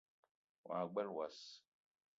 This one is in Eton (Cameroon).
Wa gbele wass